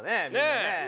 ねえ。